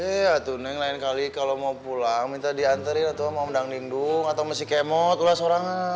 iya tuh neng lain kali kalau mau pulang minta dianterin atau mau mendang lindung atau masih kemot lu lah seorang